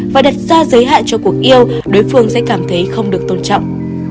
và đặt ra giới hạn cho cuộc yêu đối phương sẽ cảm thấy không được tôn trọng